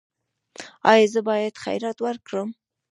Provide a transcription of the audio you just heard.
ایا زه باید خیرات ورکړم؟